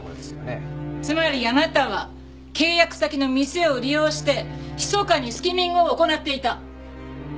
つまりあなたは契約先の店を利用してひそかにスキミングを行っていた。